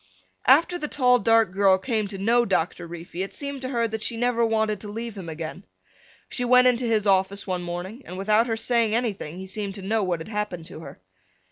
After the tall dark girl came to know Doctor Reefy it seemed to her that she never wanted to leave him again. She went into his office one morning and without her saying anything he seemed to know what had happened to her.